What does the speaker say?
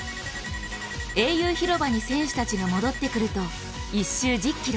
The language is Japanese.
英雄広場に選手が戻ってくると１周１０ｋｍ。